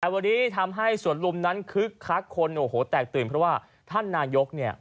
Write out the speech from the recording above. วันนี้ทำให้สวนลุมนั้นคึกคักคนโอ้โหแตกตื่นเพราะว่าท่านนายกเนี่ย